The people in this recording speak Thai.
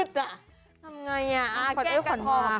สงสารความว่าลูกขนมลงลูกคอพลึด